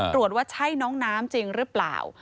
ตรวจว่าใช่น้องน้ำจริงหรือเปล่า